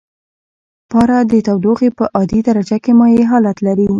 پاره د تودوخې په عادي درجه کې مایع حالت لري.